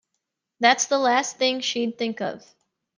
That's the last thing she'd think of.